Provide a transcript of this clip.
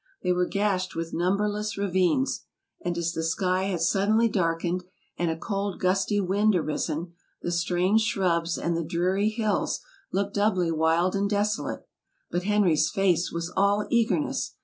They were gashed with number less ravines; and as the sky had suddenly darkened, and a cold, gusty wind arisen, the strange, shrubs and the dreary hills looked doubly wild and desolate. But Henry's face was all eagerness.